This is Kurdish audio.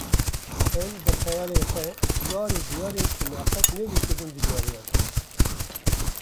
em bi xeyalên xwe war û diyarên ku me qet nedîtibûn digeriyan